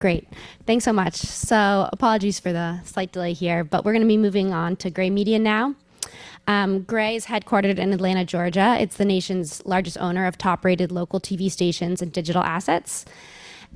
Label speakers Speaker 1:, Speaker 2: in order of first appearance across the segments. Speaker 1: Great. Thanks so much. Apologies for the slight delay here, but we're going to be moving on to Gray Media now. Gray is headquartered in Atlanta, Georgia. It's the nation's largest owner of top-rated local TV stations and digital assets.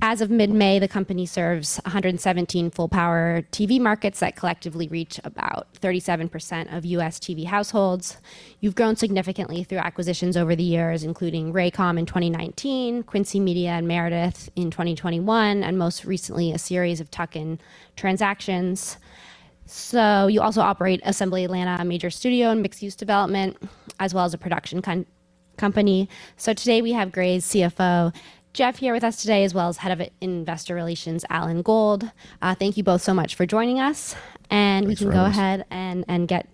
Speaker 1: As of mid-May, the company serves 117 full power TV markets that collectively reach about 37% of U.S. TV households. You've grown significantly through acquisitions over the years, including Raycom in 2019, Quincy Media and Meredith in 2021, and most recently, a series of tuck-in transactions. You also operate Assembly Atlanta, a major studio and mixed-use development, as well as a production company. Today we have Gray's CFO, Jeff, here with us today, as well as head of Investor Relations, Alan Gould. Thank you both so much for joining us.
Speaker 2: Thanks for having us.
Speaker 1: We can go ahead and get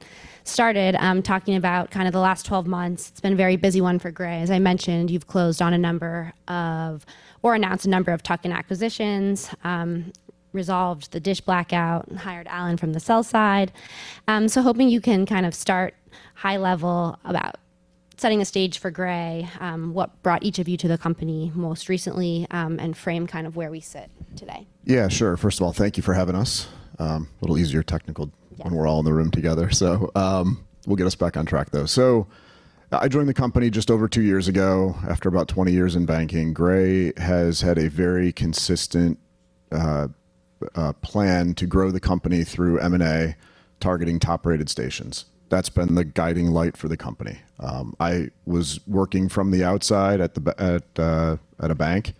Speaker 1: started talking about the last 12 months. It's been a very busy one for Gray. As I mentioned, you've closed on a number of, or announced a number of tuck-in acquisitions, resolved the DISH blackout, and hired Alan from the sell side. Hoping you can start high level about setting the stage for Gray, what brought each of you to the company most recently, and frame where we sit today.
Speaker 2: Yeah, sure. First of all, thank you for having us. A little easier technical when we're all in the room together. We'll get us back on track though. I joined the company just over two years ago after about 20 years in banking. Gray has had a very consistent plan to grow the company through M&A, targeting top-rated stations. That's been the guiding light for the company. I was working from the outside at a bank,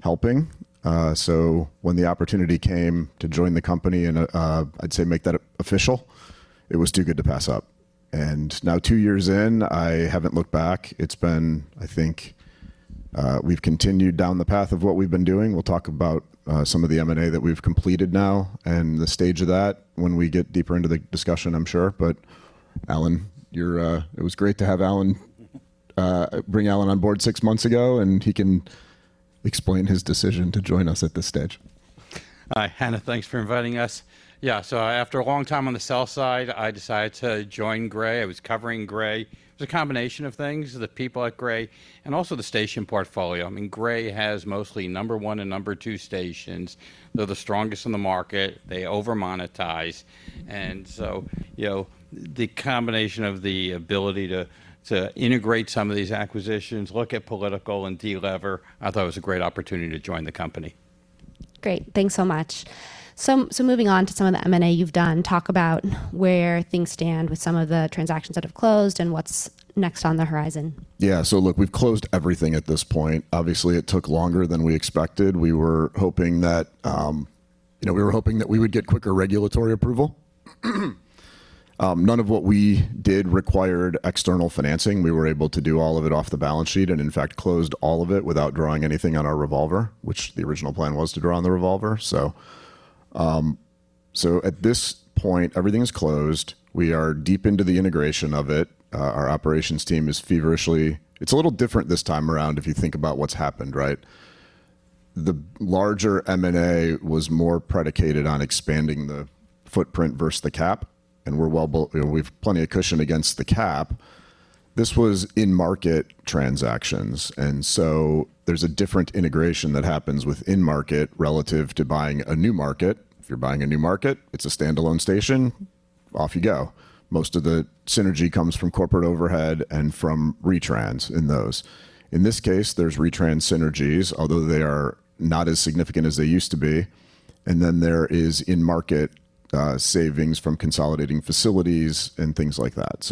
Speaker 2: helping. When the opportunity came to join the company and, I'd say, make that official, it was too good to pass up. Now two years in, I haven't looked back. It's been, I think, we've continued down the path of what we've been doing. We'll talk about some of the M&A that we've completed now and the stage of that when we get deeper into the discussion, I'm sure. Alan, it was great to bring Alan on board six months ago, and he can explain his decision to join us at this stage.
Speaker 3: Hi, Hanna. Thanks for inviting us. After a long time on the sell side, I decided to join Gray. I was covering Gray. It was a combination of things, the people at Gray and also the station portfolio. Gray has mostly number one and number two stations. They're the strongest in the market. They over-monetize. The combination of the ability to integrate some of these acquisitions, look at political and delever, I thought it was a great opportunity to join the company.
Speaker 1: Great. Thanks so much. Moving on to some of the M&A you've done, talk about where things stand with some of the transactions that have closed and what's next on the horizon.
Speaker 2: Yeah. Look, we've closed everything at this point. Obviously, it took longer than we expected. We were hoping that we would get quicker regulatory approval. None of what we did required external financing. We were able to do all of it off the balance sheet, and in fact, closed all of it without drawing anything on our revolver, which the original plan was to draw on the revolver. At this point, everything's closed. We are deep into the integration of it. Our operations team is vigorously-- It's a little different this time around if you think about what's happened, right? The larger M&A was more predicated on expanding the footprint versus the cap, and we have plenty of cushion against the cap. This was in-market transactions. There's a different integration that happens with in-market relative to buying a new market. If you're buying a new market, it's a standalone station, off you go. Most of the synergy comes from corporate overhead and from retrans in those. In this case, there's retrans synergies, although they are not as significant as they used to be. Then there is in-market savings from consolidating facilities and things like that.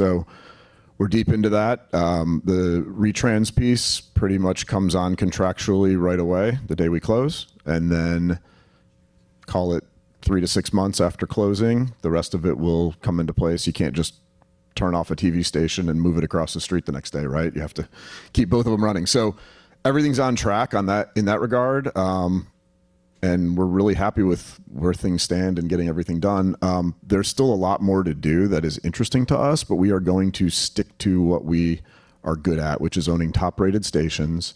Speaker 2: We're deep into that. The retrans piece pretty much comes on contractually right away, the day we close, and then call it three to six months after closing, the rest of it will come into place. You can't just turn off a TV station and move it across the street the next day, right? You have to keep both of them running. Everything's on track in that regard, and we're really happy with where things stand and getting everything done. There's still a lot more to do that is interesting to us, but we are going to stick to what we are good at, which is owning top-rated stations,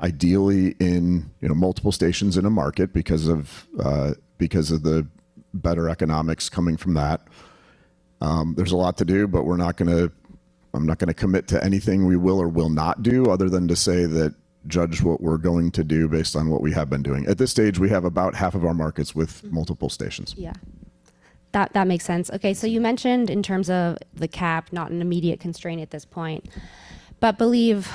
Speaker 2: ideally in multiple stations in a market because of the better economics coming from that. There's a lot to do, but I'm not going to commit to anything we will or will not do other than to say that judge what we're going to do based on what we have been doing. At this stage, we have about half of our markets with multiple stations.
Speaker 1: Yeah. That makes sense. Okay. You mentioned in terms of the cap, not an immediate constraint at this point, but believe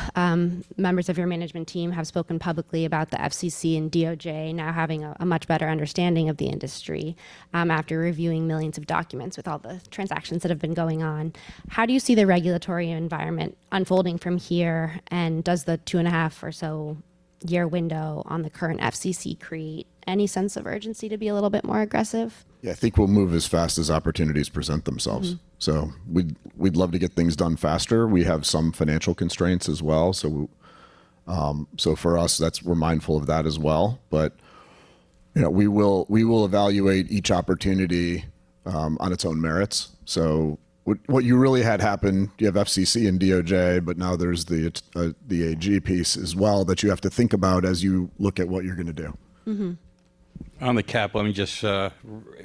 Speaker 1: members of your management team have spoken publicly about the FCC and DOJ now having a much better understanding of the industry after reviewing millions of documents with all the transactions that have been going on. How do you see the regulatory environment unfolding from here, and does the 2.5 or so year window on the current FCC create any sense of urgency to be a little bit more aggressive?
Speaker 2: Yeah, I think we'll move as fast as opportunities present themselves. We'd love to get things done faster. We have some financial constraints as well, so for us, we're mindful of that as well. We will evaluate each opportunity on its own merits. What you really had happen, you have FCC and DOJ, but now there's the AG piece as well that you have to think about as you look at what you're going to do.
Speaker 3: On the cap, let me just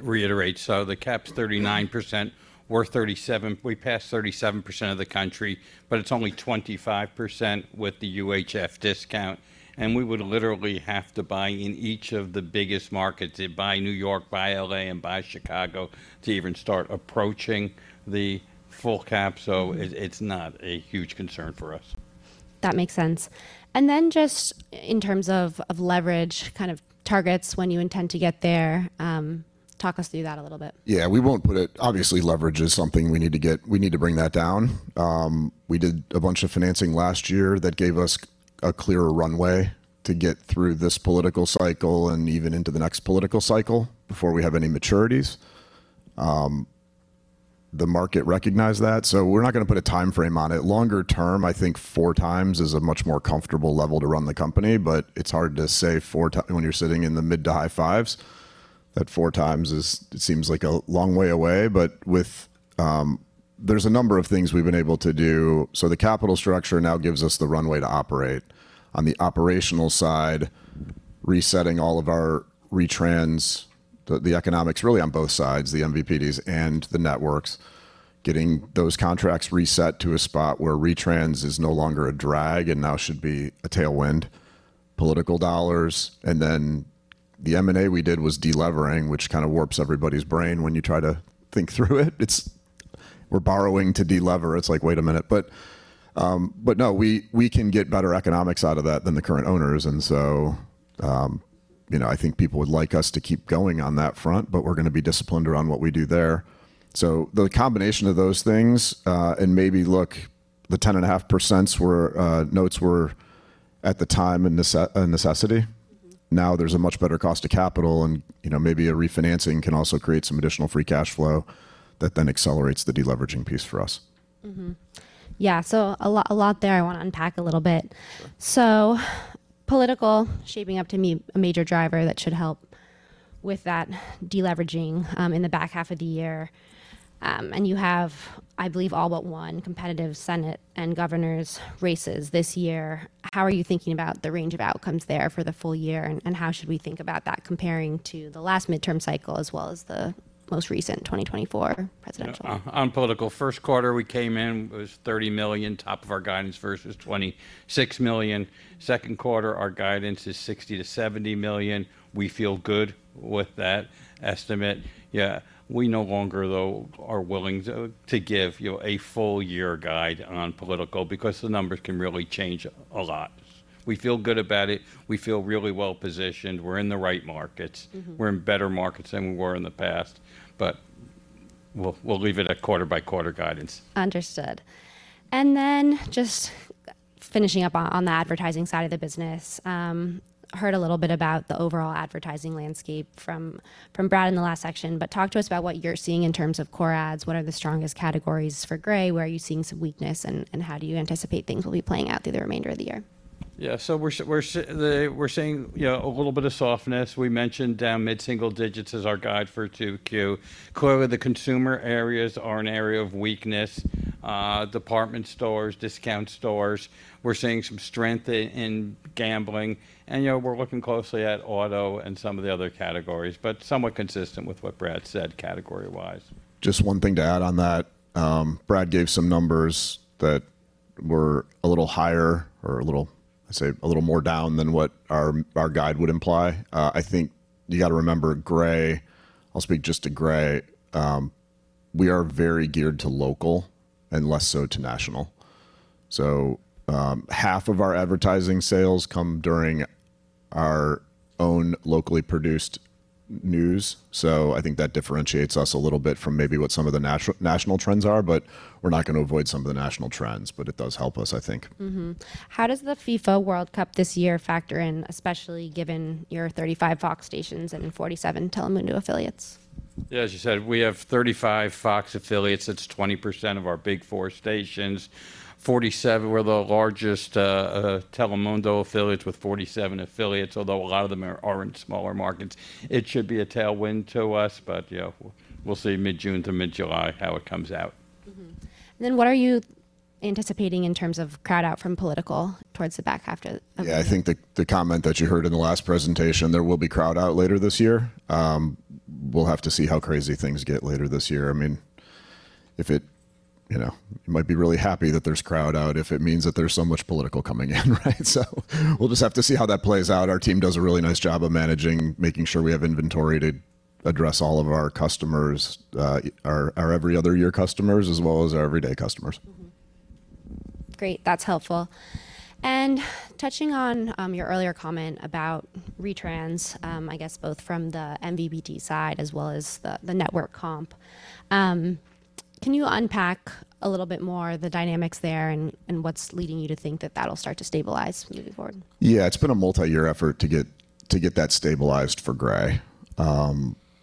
Speaker 3: reiterate. The cap's 39%, we're 37%. We passed 37% of the country, but it's only 25% with the UHF discount, and we would literally have to buy in each of the biggest markets. Buy New York, buy L.A., and buy Chicago to even start approaching the full cap. It's not a huge concern for us.
Speaker 1: That makes sense. Just in terms of leverage, kind of targets, when you intend to get there, talk us through that a little bit.
Speaker 2: Yeah. Obviously, leverage is something we need to bring that down. We did a bunch of financing last year that gave us a clearer runway to get through this political cycle and even into the next political cycle before we have any maturities. The market recognized that, we're not going to put a timeframe on it. Longer term, I think 4x is a much more comfortable level to run the company, but it's hard to say 4x when you're sitting in the mid to high fives. That 4x seems like a long way away, but there's a number of things we've been able to do. The capital structure now gives us the runway to operate. On the operational side, resetting all of our retrans, the economics really on both sides, the MVPDs and the networks, getting those contracts reset to a spot where retrans is no longer a drag and now should be a tailwind. Political dollars, the M&A we did was de-levering, which kind of warps everybody's brain when you try to think through it. We're borrowing to de-lever. It's like, wait a minute. No, we can get better economics out of that than the current owners, I think people would like us to keep going on that front, but we're going to be disciplined around what we do there. The combination of those things, and maybe look, the 10.5% notes were, at the time, a necessity. There's a much better cost of capital and maybe a refinancing can also create some additional free cash flow that then accelerates the deleveraging piece for us.
Speaker 1: Yeah. A lot there I want to unpack a little bit. Political shaping up to be a major driver that should help with that deleveraging in the back half of the year. You have, I believe, all but one competitive Senate and governors races this year. How are you thinking about the range of outcomes there for the full year, and how should we think about that comparing to the last midterm cycle as well as the most recent 2024 presidential?
Speaker 3: On political, first quarter, we came in, it was $30 million, top of our guidance versus $26 million. Second quarter, our guidance is $60 million-$70 million. We feel good with that estimate. Yeah, we no longer, though, are willing to give a full year guide on political because the numbers can really change a lot. We feel good about it. We feel really well-positioned. We're in the right markets. We're in better markets than we were in the past. We'll leave it at quarter-by-quarter guidance.
Speaker 1: Understood. Just finishing up on the advertising side of the business. Heard a little bit about the overall advertising landscape from Brad in the last section, but talk to us about what you're seeing in terms of core ads. What are the strongest categories for Gray? Where are you seeing some weakness, and how do you anticipate things will be playing out through the remainder of the year?
Speaker 3: Yeah. We're seeing a little bit of softness. We mentioned down mid-single digits as our guide for 2Q. Clearly, the consumer areas are an area of weakness. Department stores, discount stores. We're seeing some strength in gambling, and we're looking closely at auto and some of the other categories, but somewhat consistent with what Brad said category-wise.
Speaker 2: Just one thing to add on that. Brad gave some numbers that were a little higher or, let's say, a little more down than what our guide would imply. I think you got to remember Gray, I'll speak just to Gray, we are very geared to local and less so to national. Half of our advertising sales come during our own locally produced news. I think that differentiates us a little bit from maybe what some of the national trends are. We're not going to avoid some of the national trends, but it does help us, I think.
Speaker 1: How does the FIFA World Cup this year factor in, especially given your 35 Fox stations and 47 Telemundo affiliates?
Speaker 3: Yeah, as you said, we have 35 Fox affiliates. That's 20% of our Big Four stations. 47, we're the largest Telemundo affiliates with 47 affiliates, although a lot of them are in smaller markets. It should be a tailwind to us, but yeah, we'll see mid-June to mid-July how it comes out.
Speaker 1: Mm-hmm. What are you anticipating in terms of crowd out from political towards the back half of the year?
Speaker 2: I think the comment that you heard in the last presentation, there will be crowd out later this year. We'll have to see how crazy things get later this year. We might be really happy that there's crowd out if it means that there's so much political coming in, right? We'll just have to see how that plays out. Our team does a really nice job of managing, making sure we have inventory to address all of our customers, our every other year customers, as well as our everyday customers.
Speaker 1: Great. That's helpful. Touching on your earlier comment about retrans, I guess both from the MVPD side as well as the network comp, can you unpack a little bit more the dynamics there and what's leading you to think that that'll start to stabilize moving forward?
Speaker 2: Yeah. It's been a multi-year effort to get that stabilized for Gray.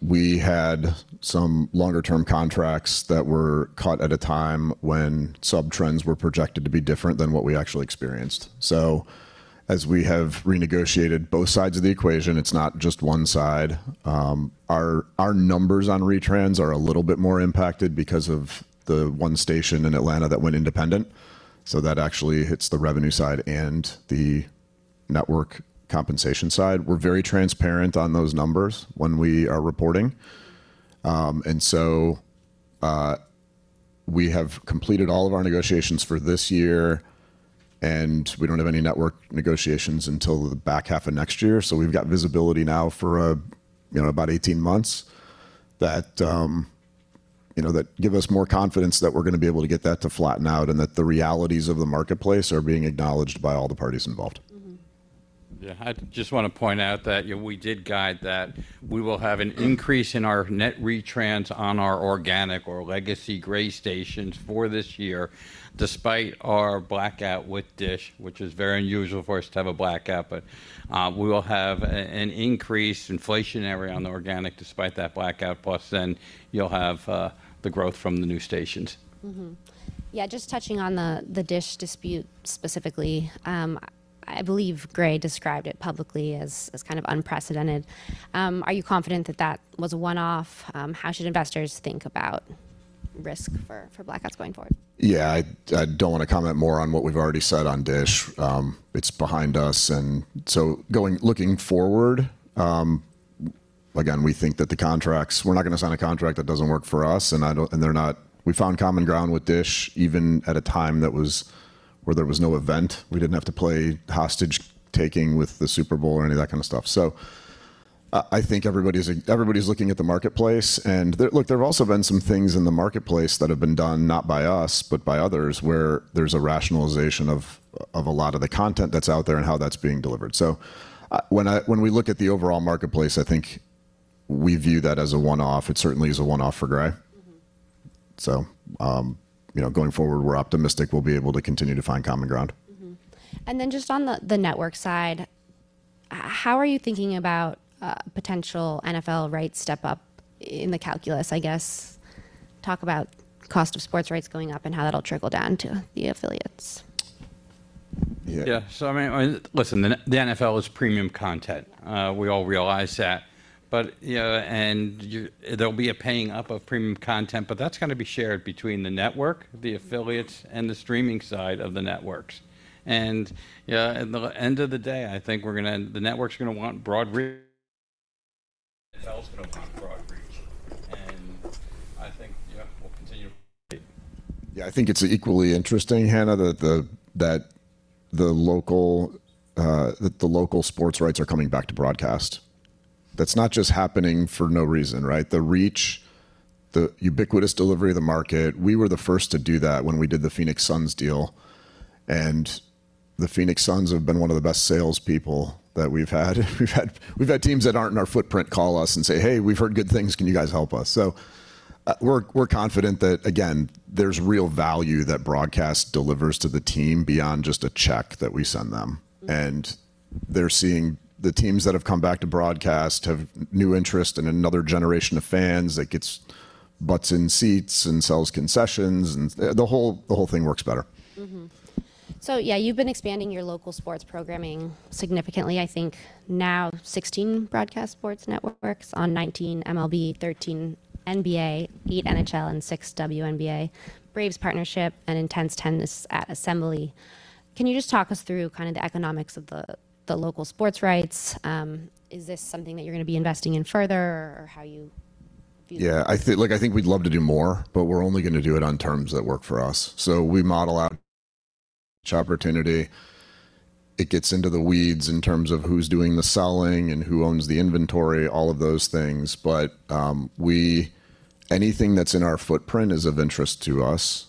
Speaker 2: We had some longer-term contracts that were caught at a time when sub-trends were projected to be different than what we actually experienced. As we have renegotiated both sides of the equation, it's not just one side. Our numbers on retrans are a little bit more impacted because of the one station in Atlanta that went independent. That actually hits the revenue side and the network compensation side. We're very transparent on those numbers when we are reporting. We have completed all of our negotiations for this year, and we don't have any network negotiations until the back half of next year. We've got visibility now for about 18 months that give us more confidence that we're going to be able to get that to flatten out and that the realities of the marketplace are being acknowledged by all the parties involved.
Speaker 3: Yeah. I just want to point out that we did guide that we will have an increase in our net retrans on our organic or legacy Gray stations for this year, despite our blackout with DISH, which is very unusual for us to have a blackout. We will have an increased inflationary on the organic despite that blackout, plus then you'll have the growth from the new stations.
Speaker 1: Just touching on the DISH dispute specifically. I believe Gray described it publicly as kind of unprecedented. Are you confident that that was a one-off? How should investors think about risk for blackouts going forward?
Speaker 2: I don't want to comment more on what we've already said on DISH. It's behind us. Looking forward, again, we think that the contracts. We're not going to sign a contract that doesn't work for us, and they're not. We found common ground with DISH, even at a time where there was no event. We didn't have to play hostage-taking with the Super Bowl or any of that kind of stuff. I think everybody's looking at the marketplace, and look, there have also been some things in the marketplace that have been done, not by us, but by others, where there's a rationalization of a lot of the content that's out there and how that's being delivered. When we look at the overall marketplace, I think we view that as a one-off. It certainly is a one-off for Gray. Going forward, we're optimistic we'll be able to continue to find common ground.
Speaker 1: Just on the network side, how are you thinking about potential NFL rights step up in the calculus, I guess? Talk about cost of sports rights going up and how that'll trickle down to the affiliates.
Speaker 2: Yeah.
Speaker 3: Yeah. I mean, listen, the NFL is premium content. We all realize that. There'll be a paying up of premium content, but that's going to be shared between the network, the affiliates, and the streaming side of the networks. At the end of the day, I think the network's going to want broad want broad reach. I think, yeah, we'll continue.
Speaker 2: Yeah, I think it's equally interesting, Hanna, that the local sports rights are coming back to broadcast. That's not just happening for no reason, right? The reach, the ubiquitous delivery of the market, we were the first to do that when we did the Phoenix Suns deal, and the Phoenix Suns have been one of the best salespeople that we've had. We've had teams that aren't in our footprint call us and say, "Hey, we've heard good things. Can you guys help us?" We're confident that, again, there's real value that broadcast delivers to the team beyond just a check that we send them. They're seeing the teams that have come back to broadcast have new interest and another generation of fans that gets butts in seats and sells concessions and the whole thing works better.
Speaker 1: Yeah, you've been expanding your local sports programming significantly. I think now 16 broadcast sports networks on 19 MLB, 13 NBA, eight NHL, and six WNBA, Braves partnership and INTENNSE Tennis at Assembly. Can you just talk us through kind of the economics of the local sports rights? Is this something that you're going to be investing in further, or how you view?
Speaker 2: Look, I think we'd love to do more, but we're only going to do it on terms that work for us. We model out each opportunity. It gets into the weeds in terms of who's doing the selling and who owns the inventory, all of those things. Anything that's in our footprint is of interest to us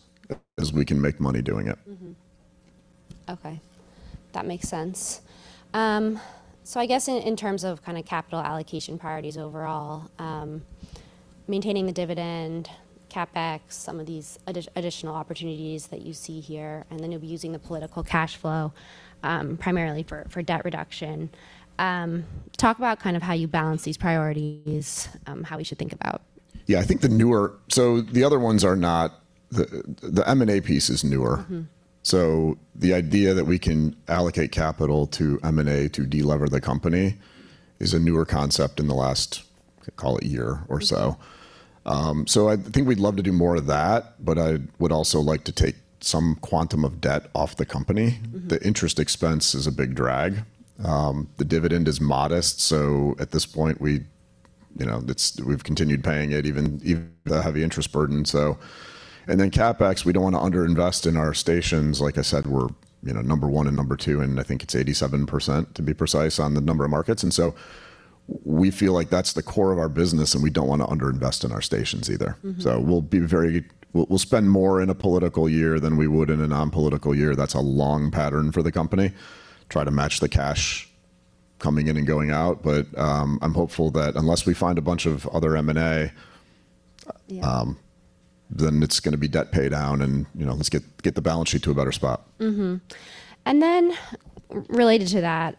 Speaker 2: as we can make money doing it.
Speaker 1: Okay. That makes sense. I guess in terms of capital allocation priorities overall, maintaining the dividend, CapEx, some of these additional opportunities that you see here, you'll be using the political cash flow primarily for debt reduction. Talk about how you balance these priorities, how we should think about.
Speaker 2: The M&A piece is newer. The idea that we can allocate capital to M&A to delever the company is a newer concept in the last, call it year or so. I think we'd love to do more of that, but I would also like to take some quantum of debt off the company. The interest expense is a big drag. The dividend is modest. At this point we've continued paying it even with the heavy interest burden. CapEx, we don't want to under-invest in our stations. Like I said, we're number one and number two, and I think it's 87%, to be precise, on the number of markets. We feel like that's the core of our business, and we don't want to under-invest in our stations either. We'll spend more in a political year than we would in a non-political year. That's a long pattern for the company, try to match the cash coming in and going out. I'm hopeful that unless we find a bunch of other M&A.
Speaker 1: Yeah.
Speaker 2: It's going to be debt paydown and let's get the balance sheet to a better spot.
Speaker 1: Then related to that,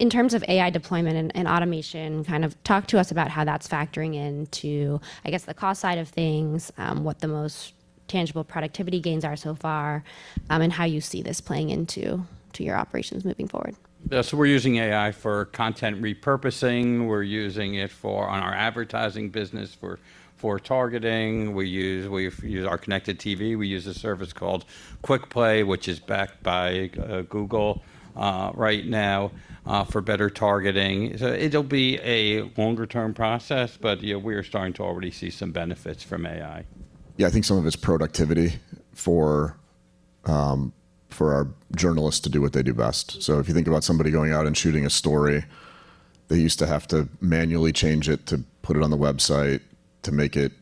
Speaker 1: in terms of AI deployment and automation, kind of talk to us about how that's factoring into, I guess, the cost side of things, what the most tangible productivity gains are so far, and how you see this playing into your operations moving forward.
Speaker 3: Yeah, we're using AI for content repurposing. We're using it on our advertising business for targeting. We've used our connected TV. We use a service called Quickplay, which is backed by Google right now for better targeting. It'll be a longer-term process, but we are starting to already see some benefits from AI.
Speaker 2: I think some of it's productivity for our journalists to do what they do best. If you think about somebody going out and shooting a story, they used to have to manually change it to put it on the website to make it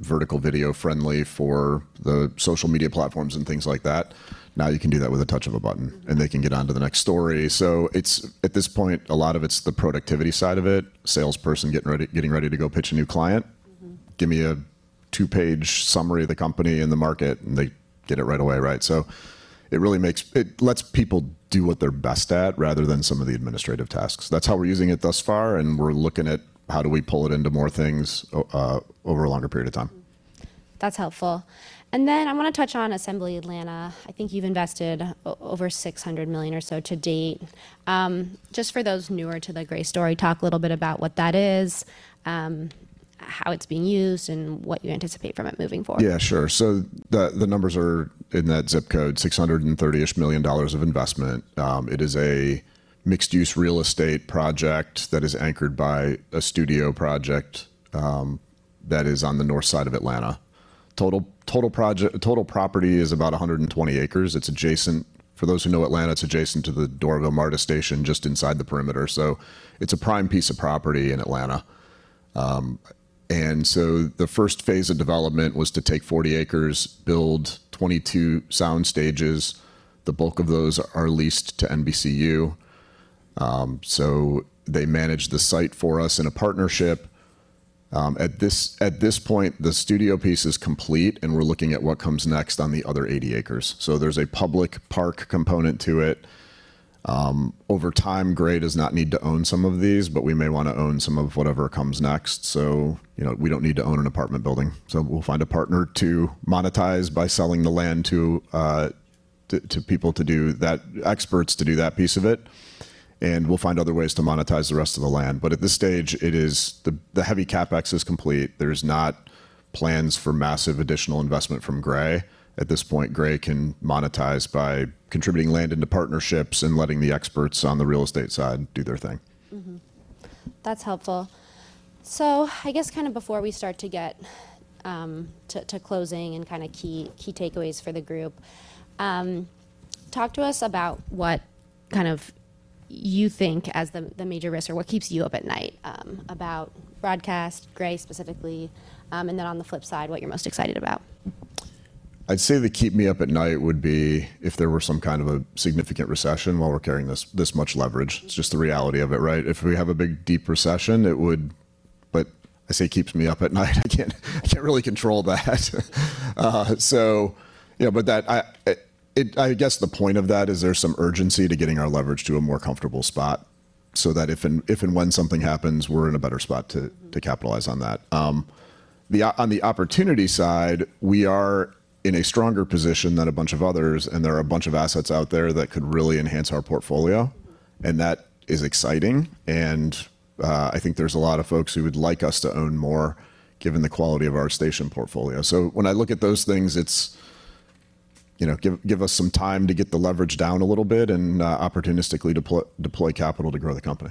Speaker 2: vertical video friendly for the social media platforms and things like that. Now you can do that with a touch of a button, and they can get on to the next story. At this point, a lot of it's the productivity side of it. Salesperson getting ready to go pitch a new client. Give me a two-page summary of the company and the market, and they get it right away. It lets people do what they're best at rather than some of the administrative tasks. That's how we're using it thus far, and we're looking at how do we pull it into more things over a longer period of time.
Speaker 1: That's helpful. Then I want to touch on Assembly Atlanta. I think you've invested over $600 million or so to date. Just for those newer to the Gray story, talk a little bit about what that is, how it's being used, and what you anticipate from it moving forward.
Speaker 2: Yeah, sure. The numbers are in that zip code, $630-ish million of investment. It is a mixed-use real estate project that is anchored by a studio project that is on the north side of Atlanta. Total property is about 120 acres. For those who know Atlanta, it's adjacent to the Doraville MARTA station just inside the perimeter. It's a prime piece of property in Atlanta. The first phase of development was to take 40 acres, build 22 soundstages. The bulk of those are leased to NBCU. They manage the site for us in a partnership. At this point, the studio piece is complete and we're looking at what comes next on the other 80 acres. There's a public park component to it. Over time, Gray does not need to own some of these, but we may want to own some of whatever comes next. We don't need to own an apartment building, so we'll find a partner to monetize by selling the land to experts to do that piece of it, and we'll find other ways to monetize the rest of the land. At this stage, the heavy CapEx is complete. There's not plans for massive additional investment from Gray. At this point, Gray can monetize by contributing land into partnerships and letting the experts on the real estate side do their thing.
Speaker 1: That's helpful. I guess before we start to get to closing and key takeaways for the group, talk to us about what you think as the major risk or what keeps you up at night about broadcast, Gray specifically. On the flip side, what you're most excited about.
Speaker 2: I'd say that keep me up at night would be if there were some kind of a significant recession while we're carrying this much leverage. It's just the reality of it, right? If we have a big deep recession, I say keeps me up at night, I can't really control that. I guess the point of that is there's some urgency to getting our leverage to a more comfortable spot so that if and when something happens, we're in a better spot to capitalize on that. On the opportunity side, we are in a stronger position than a bunch of others, and there are a bunch of assets out there that could really enhance our portfolio, and that is exciting. I think there's a lot of folks who would like us to own more given the quality of our station portfolio. When I look at those things, it's give us some time to get the leverage down a little bit and opportunistically deploy capital to grow the company.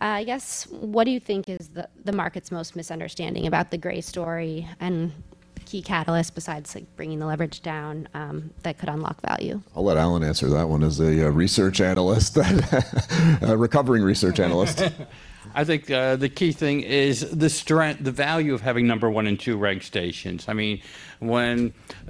Speaker 1: I guess, what do you think is the market's most misunderstanding about the Gray story and key catalyst besides bringing the leverage down, that could unlock value?
Speaker 2: I'll let Alan answer that one as a research analyst. A recovering research analyst.
Speaker 3: I think the key thing is the value of having number one and number two ranked stations.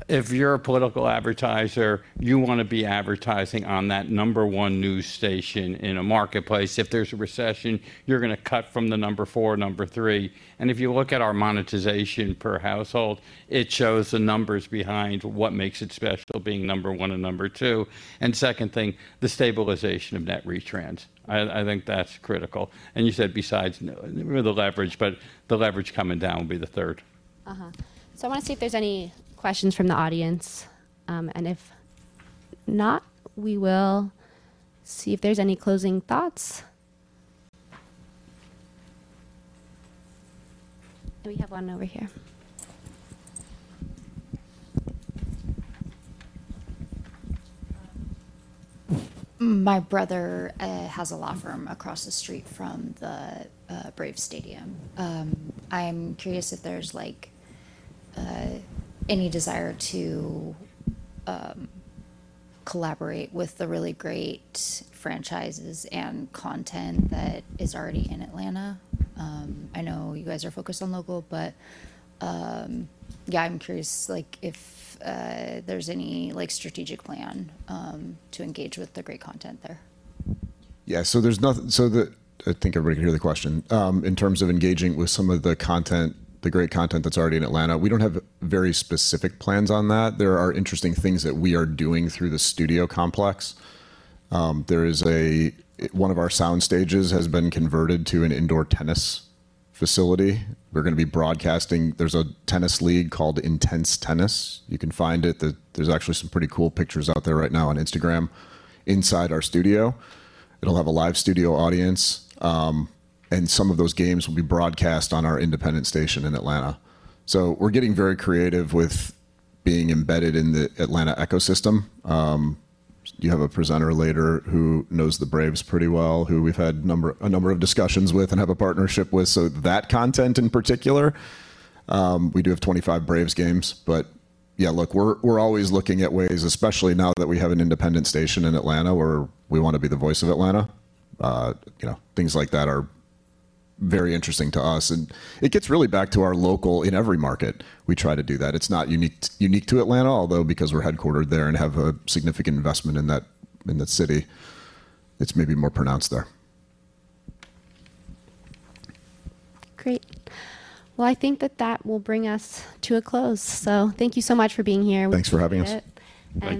Speaker 3: If you're a political advertiser, you want to be advertising on that number one news station in a marketplace. If there's a recession, you're going to cut from the number four, number three. If you look at our monetization per household, it shows the numbers behind what makes it special being number one and number two. Second thing, the stabilization of net retrans. I think that's critical. You said besides the leverage, but the leverage coming down will be the third.
Speaker 1: I want to see if there's any questions from the audience. If not, we will see if there's any closing thoughts. We have one over here.
Speaker 4: My brother has a law firm across the street from the Braves stadium. I'm curious if there's any desire to collaborate with the really great franchises and content that is already in Atlanta. I know you guys are focused on local, but, yeah, I'm curious if there's any strategic plan to engage with the great content there.
Speaker 2: Yeah, I think everybody can hear the question. In terms of engaging with some of the great content that's already in Atlanta, we don't have very specific plans on that. There are interesting things that we are doing through the studio complex. One of our soundstages has been converted to an indoor tennis facility. We're going to be broadcasting. There's a tennis league called INTENNSE Tennis. You can find it. There's actually some pretty cool pictures out there right now on Instagram inside our studio. It'll have a live studio audience, and some of those games will be broadcast on our independent station in Atlanta. We're getting very creative with being embedded in the Atlanta ecosystem. You have a presenter later who knows the Braves pretty well, who we've had a number of discussions with and have a partnership with. That content in particular, we do have 25 Braves games. Yeah, look, we're always looking at ways, especially now that we have an independent station in Atlanta where we want to be the voice of Atlanta. Things like that are very interesting to us, and it gets really back to our local in every market we try to do that. It's not unique to Atlanta, although because we're headquartered there and have a significant investment in the city, it's maybe more pronounced there.
Speaker 1: Great. Well, I think that that will bring us to a close. Thank you so much for being here.
Speaker 2: Thanks for having us.